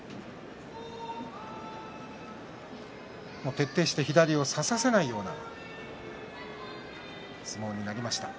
徹底して左を差させないような相撲になりました。